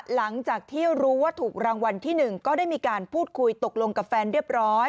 หลังจากที่รู้ว่าถูกรางวัลที่๑ก็ได้มีการพูดคุยตกลงกับแฟนเรียบร้อย